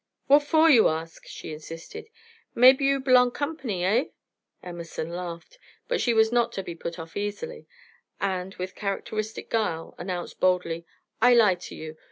"What for you ask?" she insisted. "Maybe you b'long Company, eh?" Emerson laughed, but she was not to be put off easily, and, with characteristic guile, announced boldly: "I lie to you.